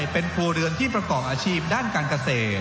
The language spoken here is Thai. เป็นครัวเรือนที่ประกอบอาชีพด้านการเกษตร